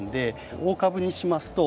大株にしますと。